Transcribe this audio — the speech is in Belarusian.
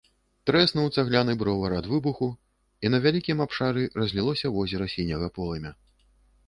Трэснуў цагляны бровар ад выбуху, і на вялікім абшары разлілося возера сіняга полымя.